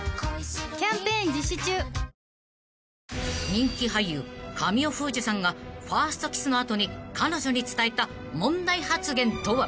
［人気俳優神尾楓珠さんがファーストキスの後に彼女に伝えた問題発言とは？］